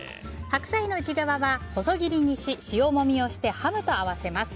白菜の内側は細切りにし塩もみをしてハムと合わせます。